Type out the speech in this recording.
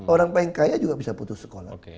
orang paling kaya juga bisa putus sekolah